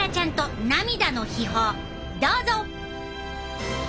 どうぞ！